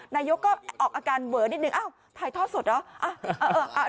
นายกรก็ออกอาการเบือนนิดหนึ่งเอ้ายถ่ายทอดสดเปล่า